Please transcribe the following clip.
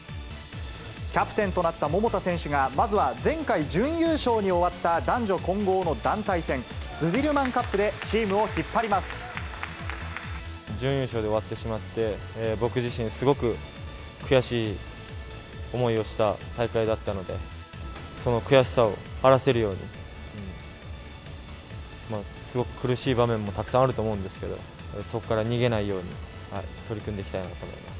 キャプテンとなった桃田選手が、まずは前回準優勝に終わった男女混合の団体戦、スディルマンカッ準優勝で終わってしまって、僕自身、すごく悔しい思いをした大会だったので、その悔しさを晴らせるように、すごく苦しい場面もたくさんあると思うんですけど、そこから逃げないように取り組んでいきたいなと思います。